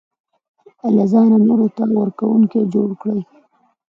له ځانه نورو ته ورکوونکی جوړ کړي.